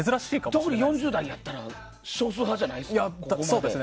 特に４０代やったら少数派じゃないですか？